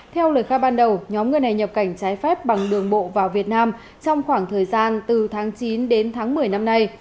theo lời khai ban đầu nhóm người này nhập cảnh trái phép bằng đường bộ vào việt nam trong khoảng thời gian từ tháng chín đến tháng một mươi năm nay